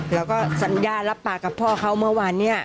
แล้วก็สัญญารับปากกับพ่อเขาเมื่อวานเนี่ย